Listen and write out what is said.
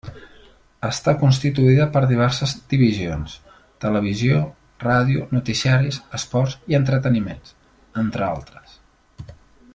Està constituïda per diverses divisions: televisió, ràdio, noticiaris, esports i entreteniments, entre altres.